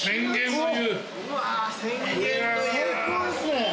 最高ですね。